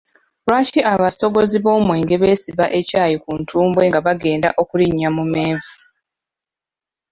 Lwaki abasogozi b'omwenge beesiba ekyayi ku ntumbwe nga bagenda okulinnya mu menvu?